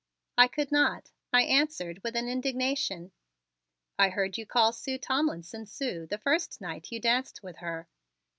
"I could not," I answered with an indignation. "I heard you call Sue Tomlinson 'Sue' the first night you danced with her."